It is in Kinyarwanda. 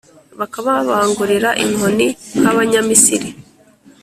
bakababangurira inkoni, nk’Abanyamisiri,